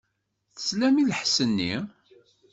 Teslam i lḥess-nni?